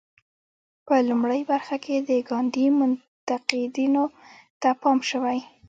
په لومړۍ برخه کې د ګاندي منتقدینو ته پام شوی.